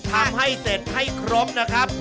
ทำให้เสร็จให้ครบนะครับ